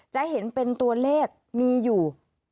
จะเห็นเป็นตัวเลขมีอยู่